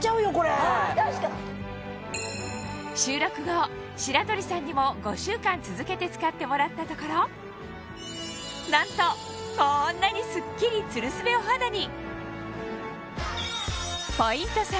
収録後白鳥さんにも５週間続けて使ってもらったところなんとこんなにスッキリツルスベお肌に！